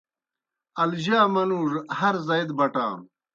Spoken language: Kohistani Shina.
الجا منُوڙوْ ہر زائی دہ بٹانوْ۔